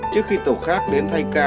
trước khi tổ khác đến thay ca